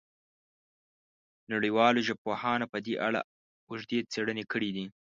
نړیوالو ژبپوهانو په دې اړه اوږدې څېړنې کړې دي.